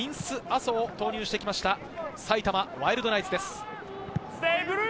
・アソを投入してきました、埼玉ワイルドナイツです。